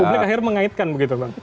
publik akhirnya mengaitkan begitu bang